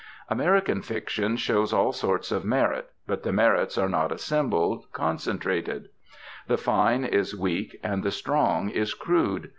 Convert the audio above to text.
American fiction shows all sorts of merit, but the merits are not assembled, concentrated; the fine is weak, and the strong is crude.